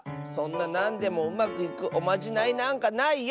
そんななんでもうまくいくおまじないなんかないよ。